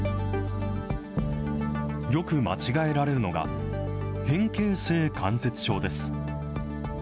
よく間違えられるのが、変形性関節症です。